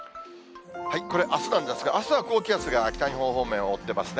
これ、あすなんですが、あすは高気圧が北日本方面を覆ってますね。